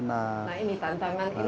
nah ini tantangan